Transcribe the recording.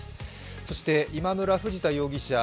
そして今村、藤田容疑者